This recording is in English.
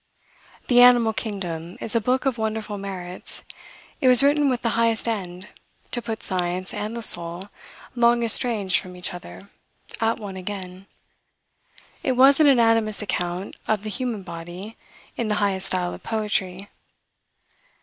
The "Animal Kingdom" is a book of wonderful merits. It was written with the highest end, to put science and the soul, long estranged from each other, at one again. It was an anatomist's account of the human body, in the highest style of poetry.